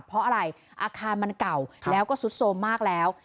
เพราะอะไรอาคารมันเก่าแล้วก็ซุดโทรมมากแล้ว